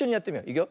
いくよ。